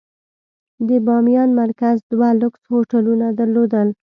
د بامیان مرکز دوه لوکس هوټلونه درلودل.